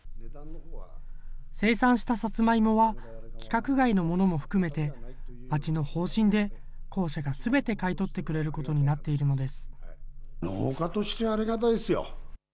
生産したさつまいもは、規格外のものも含めて、町の方針で公社がすべて買い取ってくれることになっているのです。